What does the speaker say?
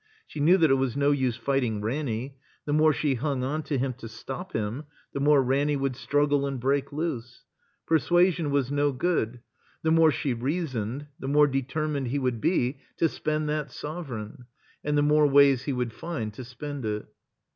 She knew that it was no use fighting Ranny. The more she hung on to him to stop him, the more Ranny would struggle and break loose. Persuasion was no good. The more she reasoned, the more determined he would be to spend that 3S8 THE COMBINED MAZE sovereign, and the more ways he would find to spend it.